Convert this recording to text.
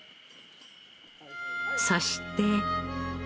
そして。